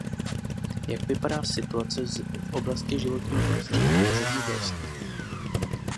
Jak vypadá situace v oblasti životního prostředí a zemědělství?